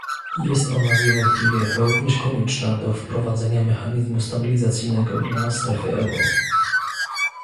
Jest ona niewątpliwie również konieczna do wprowadzenia mechanizmu stabilizacyjnego dla strefy euro